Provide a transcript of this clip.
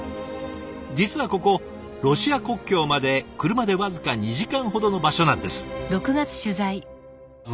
実はここロシア国境まで車で僅か２時間ほどの場所なんです。